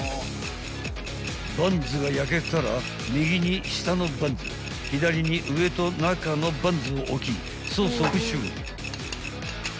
［バンズが焼けたら右に下のバンズ左に上と中のバンズを置きソースをプッシュ］